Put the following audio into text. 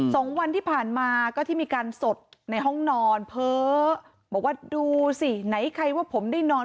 สองวันที่ผ่านมาก็ที่มีการสดในห้องนอนเพ้อบอกว่าดูสิไหนใครว่าผมได้นอน